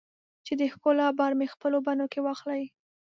چې د ښکلا بار مې خپلو بڼو کې واخلې